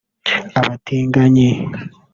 abatinganyi